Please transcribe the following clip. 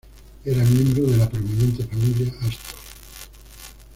Era miembro de la prominente Familia Astor.